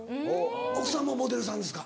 奥さんもモデルさんですか？